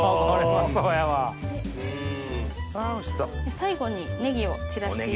最後にネギを散らしていきます。